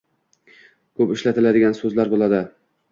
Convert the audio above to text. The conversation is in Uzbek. Ko‘p ishlatiladigan so‘zlar bo‘ladi.